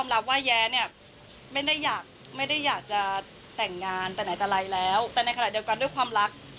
แต่ในขณะเดียวกันด้วยความรัก